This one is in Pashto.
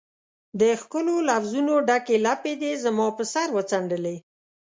د ښکلو لفظونو ډکي لپې دي زما پر سر وڅنډلي